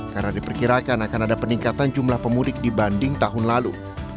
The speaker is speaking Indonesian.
karena diperkirakan akan ada peningkatan jumlah pemudik dibanding tahun lalu